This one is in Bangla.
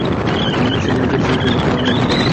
সে ছিল স্বৈরাচারী, হঠকারী ও অন্যায়ভাবে দাম্ভিক।